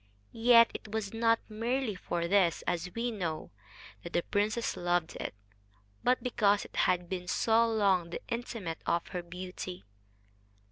Yet it was not merely for this, as we know, that the princess loved it, but because it had been so long the intimate of her beauty.